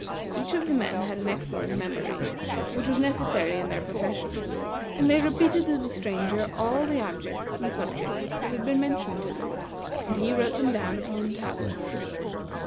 Each of the men had an excellent memory, which was necessary in their profession, and they repeated to the Stranger all the objects and subjects that had been mentioned to them, and he wrote them down upon tablets.